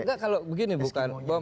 nggak kalau begini bukan